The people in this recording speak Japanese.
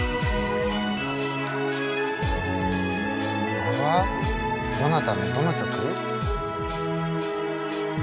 これはどなたのどの曲？